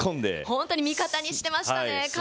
本当に味方にしてましたね、完全に。